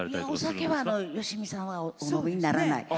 お酒はよしみさんはお飲みにならない。